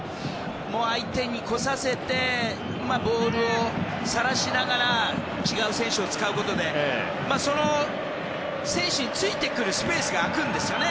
相手に来させてボールをさらしながら違う選手を使うことでその選手についてくるスペースが空くんですよね。